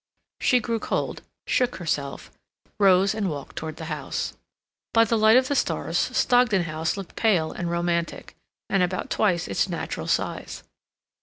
She grew cold, shook herself, rose, and walked towards the house. By the light of the stars, Stogdon House looked pale and romantic, and about twice its natural size.